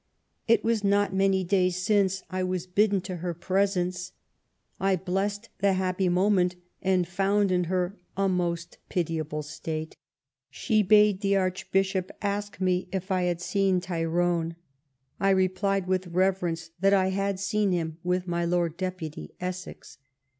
It was not many days since I was bidden to her presence. I blessed the happy moment, and found in her a most pitiable state. She bade the Archbishop ask me if I had seen Tyrone. I replied with reverence that I had seen him with my Lord Deputy (Essex).